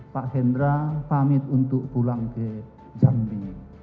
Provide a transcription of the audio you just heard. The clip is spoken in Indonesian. pak hendra pamit untuk pulang ke jambi